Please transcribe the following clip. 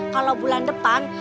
kalau bulan depan